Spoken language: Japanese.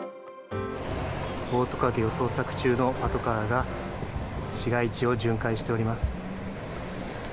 オオトカゲを捜索中のパトカーが市街地を巡回しています。